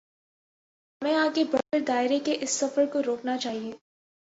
ہمیں آگے بڑھ کر دائرے کے اس سفر کو روکنا چاہیے۔